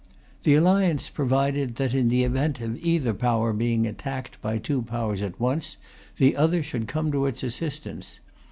The Alliance provided that, in the event of either Power being attacked by two Powers at once, the other should come to its assistance.